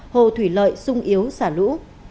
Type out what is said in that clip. hồ thủy lợi sung yếu xả lũ